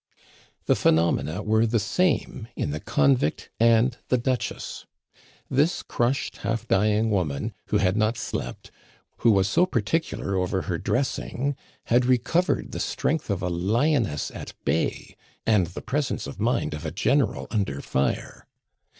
The phenomena were the same in the convict and the Duchess. This crushed, half dying woman, who had not slept, who was so particular over her dressing, had recovered the strength of a lioness at bay, and the presence of mind of a general under fire.